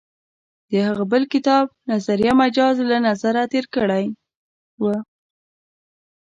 د هغه بل کتاب «نظریه مجاز» له نظره تېر کړی و.